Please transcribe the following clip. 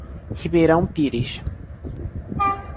Ribeirão Pires